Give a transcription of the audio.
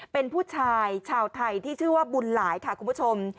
เป็นผู้ชายชาวไทยที่ชื่อว่าบุญหลายค่ะคุณผู้ชม